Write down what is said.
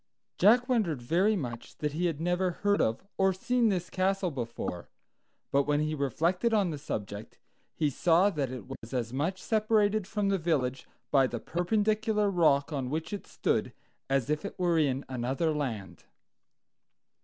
Jack wondered very much that he had never heard of or seen this castle before; but when he reflected on the subject, he saw that it was as much separated from the village by the perpendicular rock on which it stood as if it were in another land.